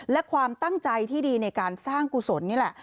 และความตั้งใจที่ดีในการสร้างกุศลนี่แหละ